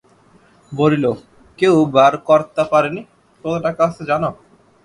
বলিল, কেউ বার কর্তা পারেনি-কত টাকা আছে জানো?